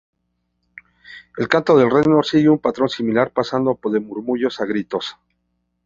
El canto de Reznor sigue un patrón similar, pasando de murmullos a gritos.